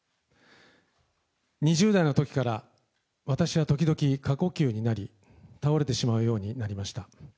２０代のときから私は時々、過呼吸になり、倒れてしまうようになりました。